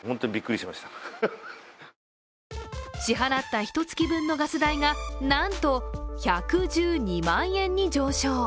支払ったひと月分のガス代がなんと１１２万円に上昇。